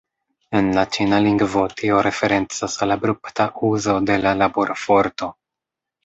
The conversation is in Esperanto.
En la Ĉina lingvo, tio referencas al abrupta uzo de la laborforto.